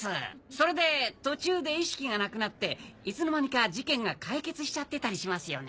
それで途中で意識がなくなっていつの間にか事件が解決しちゃってたりしますよね。